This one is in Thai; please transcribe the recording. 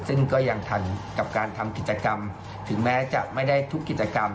ซึ่งก็ยังทันกับการทำกิจกรรมถึงแม้จะไม่ได้ทุกกิจกรรม